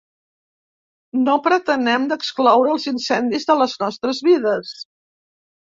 No pretenem d’excloure els incendis de les nostres vides.